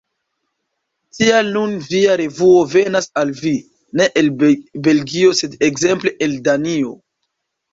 Tial nun via revuo venas al vi ne el Belgio sed ekzemple el Danio.